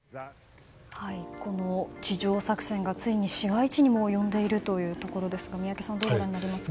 地上作戦がついに市街地にも及んでいるところですが宮家さん、どうご覧になりますか。